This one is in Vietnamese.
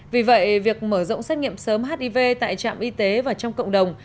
vì vậy việc mở rộng xét nghiệm sớm hiv tại trạm y tế và trong cộng đồng